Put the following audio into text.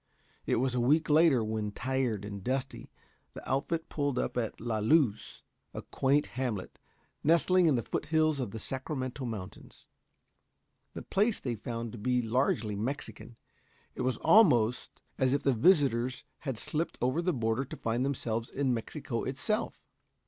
It was a week later, when, tired and dusty, the outfit pulled up at La Luz, a quaint hamlet nestling in the foothills of the Sacramento Mountains. The place they found to be largely Mexican, and it was almost as if the visitors had slipped over the border to find themselves in Mexico itself.